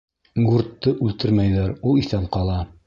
Гурдты үлтермәйҙәр, ул иҫән ҡала.